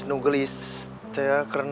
nuggelis ya karena